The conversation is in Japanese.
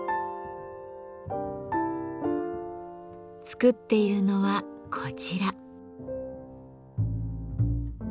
作っているのはこちら。